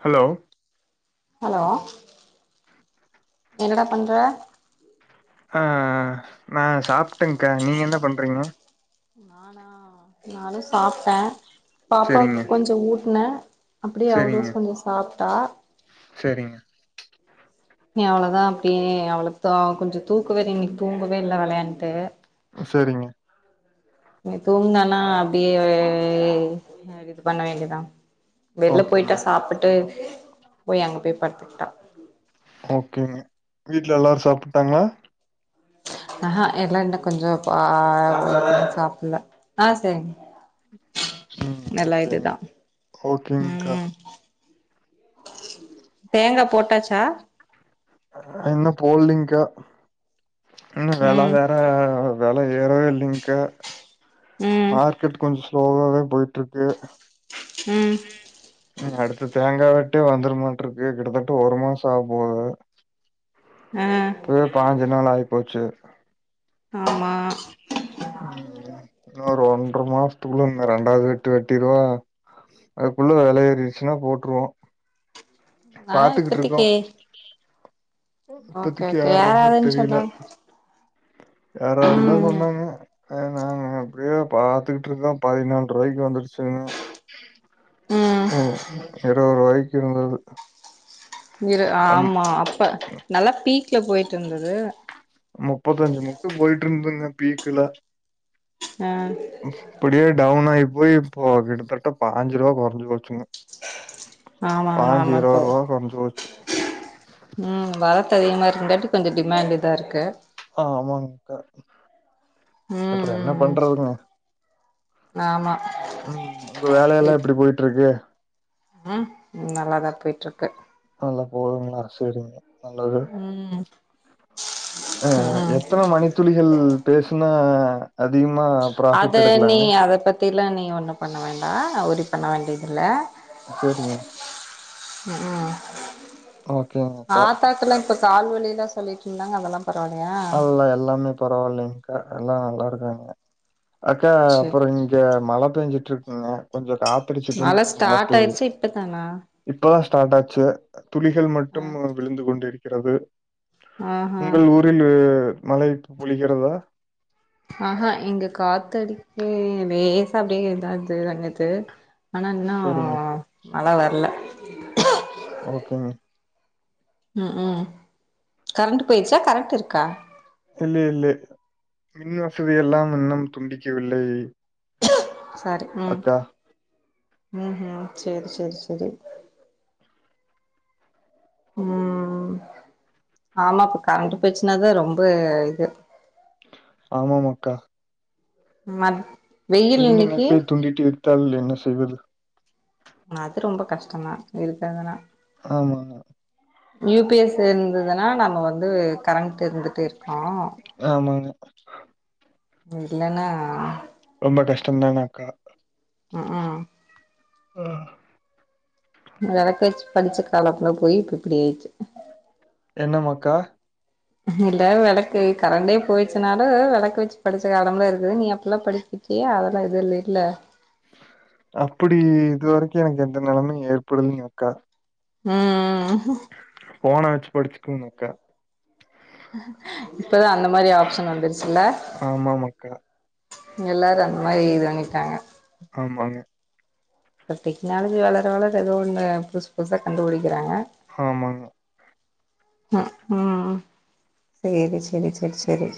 Hello hello என்னடா பண்ற ஆஹ் நான் சாப்பிட்டேன்க நீங்க என்ன பண்றீங்க நானா நானும் சாப்பிட்டேன் செரிங்க பாப்பாக்கு கொஞ்ச ஊட்டு ன அப்டியே அவ்வளோ செரிங்க கொஞ்ச சாப் டா செரிங்க நி அவ்வளவுதான் அப்டியே அவ்வளவு த கொஞ்ச தூக்கவே இன்னக்கு தூங்கவே இல்லை விளையான்ட்டு செரிங்க நீ தூங்குனனா அப்டியே இது பண்ண வேண்டியதான் வெளில போயிட்டா ஓகேங்க சாப்புட்டு போய் அங்க போய் படுத்துக்கிட்டான் ஓகேங்க வீட்டு்ல எல்லாரும் சாப்ட்டாங்களா ஆஹஹா எல்லா இன்னம் கொஞ்ச ஆ சாப்பிடல ஆஹ் சரி உம் ஓகேங் ஓகேங்கா ம் [inaudible] தேங்கா போட்டாச்சா இன்னும் போடலங்கா இன்ன வேல ம் வேற வில ஏறவே இல்லிங்கா ம் மார்க்கெட் கொஞ் [unintelligible] போயிட்டு இருக்கு ம் உ அடு இ தேங்கா விட்டே வந்துருமாட்டு இருக்கு கிட்டத்தட்ட ஒரு மாசம் ஆக போது ஆ [unintelligible] நாள் ஆயிப்போச்சு ஆமா உம் இன்ன ஒரு ஒன்ற மாசத்துக்குள்ள இ ரெண்டாவது வெட்டு வெட்டிருவா அதுக்குள்ள வில ஏறிடுச்சுன்னா போட்டுருவோம் ஆ இப்பத்தக்கே இப்பதக்கு யாரற மாரி தெரில சொன்னாங் யாராவதுந்தா ம் சொன்னாங்க அத நாங்க அப்டியே பாத்துக் [unintelligible] பதினால்று ரூபாக்கு வந்துருச் சொண ம் இருபராய்க்கு இருந்தது இரு ம் ஆமாம் அப்போ நல்லா பீக் க்ல போயிட்டு இருந்தது முப்பத்தஞ்சு முக்கு போயிட்டு இருந்துங்க பீக்குல ஆ அப்படியே டவுன் ஐயி போய் இப்போ கிட்டத்தட்டப்பாஞ்சு ரூபா கொரஞ்சி போச்சிங்க ஆமா ஆமா பாய்ஞ்சு ஈரோரூபா குறைஞ்சு போச்சு [unintelligible] உம் வளத்த அதிகமா இருக்குந்தாட்டட்டு கொஞ்சம் டிமாண்ட் இதா இருக்கு ஆஹ் ஆமாங்கக்கா ம் அப்புறம் என்ன ம் ம் பண்றதுங்க ஆமா உம் உங்க வேலையெல்லாம் எப்டி போயிட்ருக்கு ஹம் நல்லாதான் போயிட்டு இருக்கு நல்லா போகுதுங்களா சரிங் உம் ஹ எத்தனை மணித்துளிகள் பேசும் ஆ அத நீ அத பத்திலாம் நீ நீ ஒன்னும் பண்ண வேண்டாம் ஒரி பண்ண வேண்டியதில்லை செரிங்க உம் உம் ஓகேங்கக்கா கால்வலிலாம் சொல்லிட்டு இருந்தாங்க அதெல்லாம் பரவலையா பரவாயில்லலைங்கக்கா எல்லாம் நல்லா இருக்காங்க அக்கா சரி அப்புறம் இங்க மழை பெஞ்சுட்டு இருக்குங்க கொஞ்சம் காத்தடிச்சுட்டு மழ மழை ஸ்டார்ட் பெய்து ஆயிடுச்சு இப்பதானா இப்ப ஸ்டார்ட் ஆச்சு துளிகள் மட்டும் விழுந்து கொண்டிருக் இருக்காது ஆஹ் ஹ மழை பொழிக்கிறதா ஆஹா இங்க காத்தடிக்க லேசா அப்படியே இதான்து தங்கது ஆனா என்னாவும் சரிங்க. ஆனா வர்ல ஓகேங் உம் உம் கரண்ட் போயிடுச்சா கரெண்ட் இருக்கா இல்லே இல்லே மின் வசதி எல்லாம் இன்னும் துண்டிக்கவில்லை சரி உம் அக்கா. உம் ஹும் சேரி செரி செரி உம் ஆமா இப்ப கரண்ட் போச்சுன்னாதா ரொம்ப இது ஆமாம் அக்கா மத் வெயில் மின் இன்னைக்கு இணைப்பை துண்டித்து தால் என்ன செய்வது ஆனா அது ரொம்ப கஷ்டோந்தா இருக்குறதுனா ஆமாம்மா யூ பி எஸ் இருந்ததுன்னா நம்ம வந்து கரண்ட் இருந்து ட்டுருக்கோ ஆமாங்க. இல்லன்னா ரொம்ப கஷ்டோதானாக்கா ம் ம் ஆஹ் வெளக்க வெச்சு படிச்ச காலமெல்லா போயி இப்ப இப்டி ஆயிடுச்சு என்னமாக்கா இல்ல வெளக்கு கரண்டே போயிருச்சுனாலு வெளக்கு வெச்சு படிச்ச காலம்லா இருக்குது நீ அப்டில்லா படிச்சிருக்யா அதெல்லா இது இல்லயில்ல அப்டி இதுவரைக்கு எனக்கு எந்த நெலமையு ஏற்படுலிங்க அக்கா ம் ம் போன வெச்சு படிச்சுக்குவனுங்க அக்கா எப் இப்பதா அந்த மாரி ஆப்ஷன் வந்துருச்சுல்ல ஆமாம் அக்கா. எல்லாரு அந் அது மாரி இது பண்ணிட்டாங்க ஆமாங்க இந்த டெக்னாலஜி வளர வளர ஏதோ ஒண்ணு புதுசு புதுசா கண்டுபுடிக்கிறாங்க ஆமாங்க உம் உம் சேரி செரி செரி செரி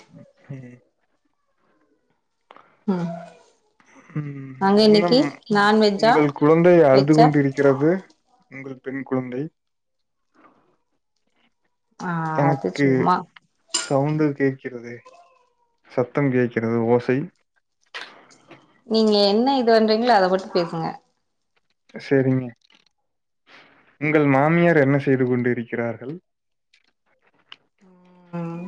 உம் அங்க என்ன இன்னைக்கு நான்வெஜ்ஜா உங்கள் குழந்தை அழுது வெஜ்ஜா கொண்டிருக்கிறது உங்கள் பெண் குழந்தை ஆ அது எனக்கு சும்மா சவுண்டு கேக் கிறதே சத்தம் கேட்கிறது ஓசை நீங்க என்ன இது பண்றீங்களோ அத மட்டு பேசுங்க சேரிங்க உங்கள் மாமியார் என்ன செய்து கொண்டு இருக்கிறார்கள் உம்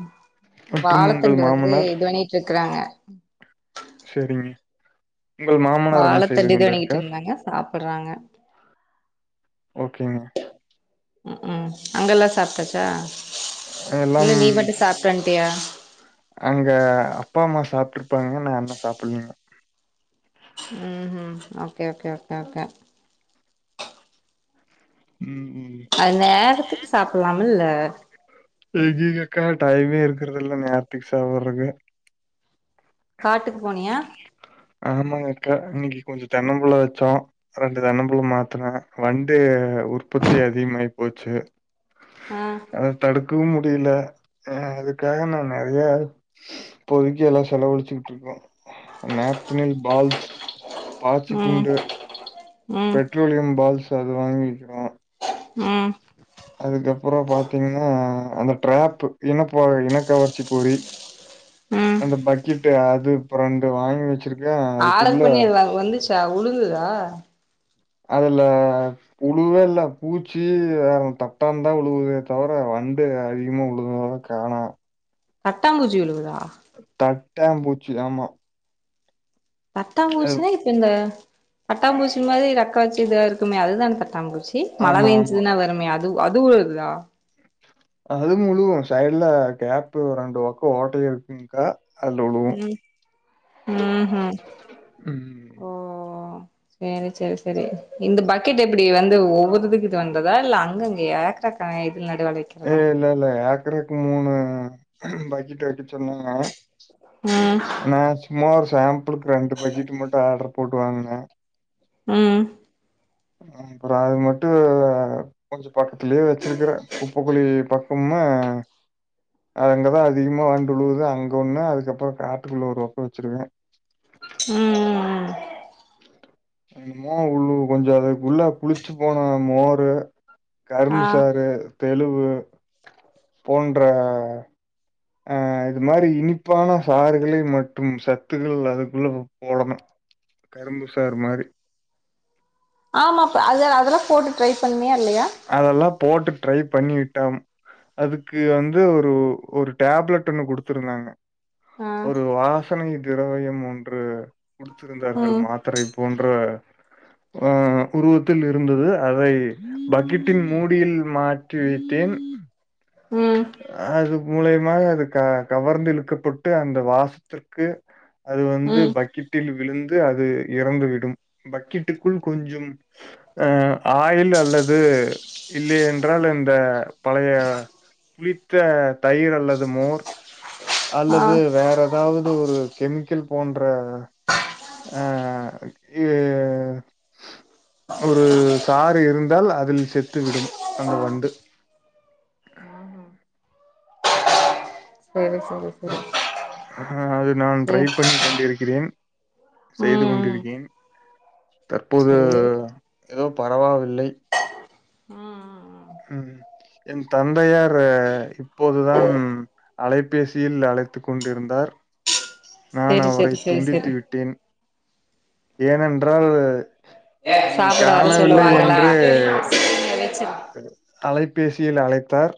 மற்றும் உங்கள் வாழத்தண்டு வந்து மாமனார்? இது பண்ணிட்டுருக்குறாங்க உம் சரிங் வாழைத்தண்டு இது பண்ணிட்டுருந்தாங்க சாப்ப போட்றாங்க ஓகேங்க உம் உம் அங்கலாம் சாப்டாச்சா இல்ல எல்லாம் நீ மட்டு சாப்ட்வன்ட்யா அங்க அப்பா அம்மா சாப்ட்ருப்பாங்க நான் இன்னு சாப்டலீங்க உம் ம் ஓகே ஓகே ஓகே ஓகே ம், ம். அது நேரத்துக்கு சாப்லாம்ல்ல எங்கீகக்க டைமே இருக்கறது இல்ல நேரதுக்கு சாப்றக்கு காட்டுக்கு போனியா ஆமாங்கக்கா இன்னக்கு கொஞ்சோம் தென்னம்புள்ள வச்சோம் ரெண்டு தென்னம்புள்ள மாத்தநெனம்ன் வண்டு உற்பத்தி அதிகமாயி போச்சி ஆ அத தடு இதும் முடியல ஹ அதுக்காக நான் நெறைய இப்போதக்கி எல்லா செலவளிச்சிக்கிட்டு இருக்கோம் நாப்தனில் பால்ஸ் பாச்சு ம் குண்டு ம் பெட்ரோலியம் பால்ஸ் அது வாங்கிக்கோ உம் அதுக்கப்றம் பாத்தீங்கன்னா அந்த டிராப் இனப் இனக்கவர்வர்ச்சி போரி ம் அந்த பக்கெட் அது பிரெண்டு வாங்கி வச்சிருக்கு ஆடர் பண்ணி அது வா வந்துச் உழுதுதா அதுல உழுவே இல்ல பூச்சி வேற தட்டான் தான் உழுவுதே தவர வண்டு அதிகமா உழுதா காணாம் தட்டாம்பூஜி விழுவுதா தட் ட்டாம் பூச்சி ஆமா அது பத்தாங்பூச்சினா இப்ப இந்த தட்டா பூச்சி மாதிரி ரக்க வச்சி இதா இருக்குமே அதுதான தட்டா பூச்சி ச்சி மழ ஆமா, ஆமா. பெஞ்சதுன்னா வருமே அது அது அதுவு இதுதா அது முழுவும் சைடுல கேப்பு ரெண்டு பக்கம் ஓட்டயு இருக்குல உஹம் உஹம் உம் ம். ஓஓ சரி சரி சரி இந்த பக்கெட் எப்டி வந்து ஒவ்வொருதுக்கு வந்ததா இல்ல அங்கங்க ஏக்கக்க இல்ல இல்ல இருவத்திமூணு பக்கெட்டு வக்க சொன்னாங்க ம் மே சுமார் சாம்பிளுக்கு ரெண்டு பக்கெட் மட்டும் ஆட்ர் போட்டு வாங்குங்க உஹம் அப்புறம் அது மட்டும் கொஞ்ச பக்த்துலேயே வச்சிருக்குரேன் குப்பைக்குளி பக் சும்மா அங்க தான் அதிகமா வண்டு விழுவுது அங்கே ஒண்ணு அதுக்கப்புறம் பாத்ரும்ல ஒரு கப்பு வச்சிருக்கேன் உம் உம் உம் என்னமோ உள்ளு கொஞ்சம் அதுக்கு உள்ள புளிச்சு போன மோரு ஆ கரும்பு சாறு தெளுவு போன்ற அஹ் இது மாரி இனிப்பான சாறுகள் மற்றும் சத்துக்கள் அதுக்குள்ள போடணும் கரும்பு சாறு மாரி ஆமாபா அத அதெல்லாம் போட் ட்ரை பண்ணிய அதெல்லாம் போட்டு ட்ரை பண்ணி விட்டம் அதுக்கு வந்து ஒரு ஒரு டேப்லெட் ஒண்ணு குடுத்துருந்தாங்க ஆ ஒரு வாசனை திரவயமும் ன்று குடுத்திருந்தார்கள் ம் மாத்திரை போன்ற ஆஹ் உருவத்தில் இருந்தது அதை பக்கட்டின் மூடியில் மாற்றிவிட்டேன் ம் அது மூலியமாக அது க கவர்ந்து இழுக்கப்பட்டு அந்த வாச ற்கு அது வந்து ம் பக்கெட்டில் விழுந்து அது இறந்துவிடும் பக்கெட்டுக்குள் கொஞ்சம் அஹ் ஆயில் அல்லது இல்லையென்றால் இந்த பழைய புளித்த தயிர் அல்லது மோர் ஆ அல்லது வேறதாவது ஒரு கெமிக்கல் போன்ற அஹ் ஏ ஒரு சாறு இருந்தால் அதில் செத்து விடும் அந்த வண்டு ஹம்ஹ சரி சரி சரி ஆஹ் அது நான் ட்ரை பண்ணி கொண்டிருக்கிறேன் செய்து ம் கொண்டிருக்கேன் தற்போது சேரி ஏதோ பரவாவில்லை உம் என் தந்தையார் இப்போதுதான் அலைபேசியில் அழைத்து கொண்டிருந்தார் நான் செரி செரி அவரைத் செரி செரி துண்டித்து விட்டேன் ஏனென்றால் என்னை சாப்பிட வர காணவில்லை சொல்லுவாங்களா என்று [unintelligible] அலைப்பேசியில் அலைத்தார்